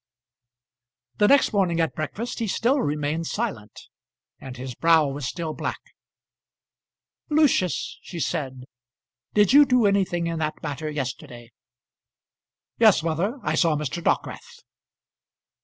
The next morning at breakfast he still remained silent, and his brow was still black. "Lucius," she said, "did you do anything in that matter yesterday?" "Yes, mother; I saw Mr. Dockwrath."